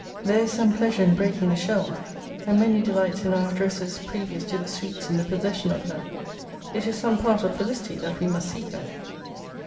There is some pleasure in breaking the shell : and many delights in our addresses previous to the sweets in the possession of her. It is some part of Felicity that we must seek her.